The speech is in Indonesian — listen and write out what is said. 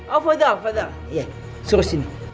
oh padahal padahal